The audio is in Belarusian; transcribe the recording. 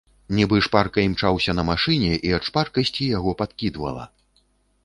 Нібы шпарка імчаўся на машыне і ад шпаркасці яго падкідвала.